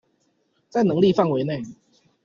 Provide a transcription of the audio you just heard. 在能力範圍內